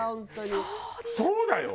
そうだよ。